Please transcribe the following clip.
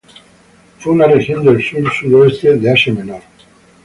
Fue una región del sur-sureste de Asia Menor.